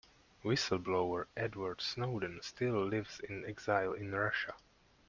Whistle-blower Edward Snowden still lives in exile in Russia.